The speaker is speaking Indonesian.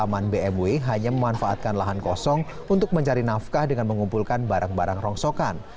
taman bmw hanya memanfaatkan lahan kosong untuk mencari nafkah dengan mengumpulkan barang barang rongsokan